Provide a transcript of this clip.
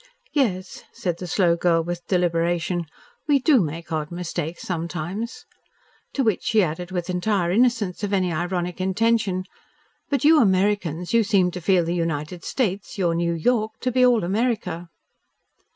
"Yes," said the slow girl with deliberation. "We do make odd mistakes sometimes." To which she added with entire innocence of any ironic intention. "But you Americans, you seem to feel the United States, your New York, to be all America."